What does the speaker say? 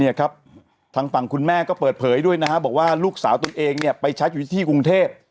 เนี่ยครับทางฝั่งคุณแม่ก็เปิดเผยด้วยนะฮะบอกว่าลูกสาวตัวเองเนี่ยไปชักอยู่ที่กรุงเทพ